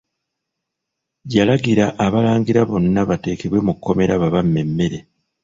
Yalagira Abalangira bonna bateekebwe mu kkomera babamme emmere.